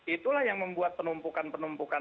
itulah yang membuat penumpukan penumpukan